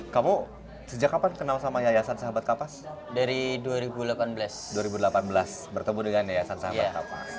kamu sejak kapan kenal sama yayasan sahabat kapas dari dua ribu delapan belas dua ribu delapan belas bertemu dengan yayasan sahabat kapas